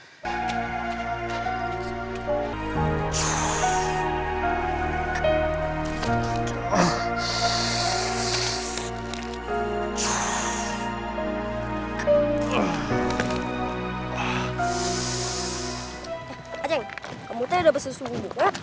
eh ajeng kamu tuh udah besi suhu bubuk ya